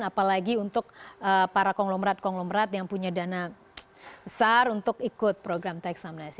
apalagi untuk para konglomerat konglomerat yang punya dana besar untuk ikut program teks amnesty